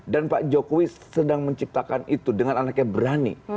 dan pak jokowi sedang menciptakan itu dengan anaknya berani